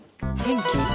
「天気？」